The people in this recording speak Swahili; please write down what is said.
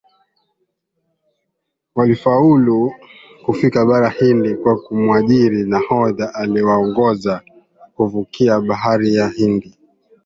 Walifaulu kufika bara Hindi kwa kumuajiri nahodha aliyewaongoza kuvukia Bahari ya Hindi